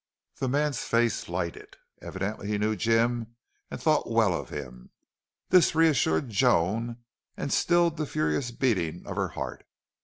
The man's face lighted. Evidently he knew Jim and thought well of him. This reassured Joan and stilled the furious beating of her heart.